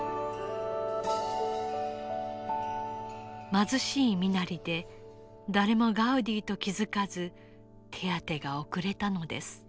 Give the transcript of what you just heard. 貧しい身なりで誰もガウディと気付かず手当てが遅れたのです。